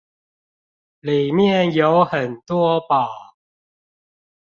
裡面有很多寶